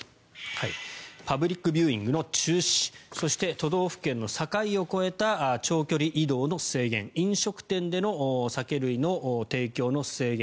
パブリックビューイングの中止そして、都道府県の境を越えた長距離移動の制限飲食店での酒類の提供の制限